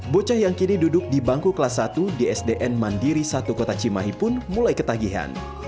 bocah yang kini duduk di bangku kelas satu di sdn mandiri satu kota cimahi pun mulai ketagihan